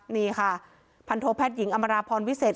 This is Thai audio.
นี่ค่ะพันโทแพทย์หญิงอำราพรวิเศษ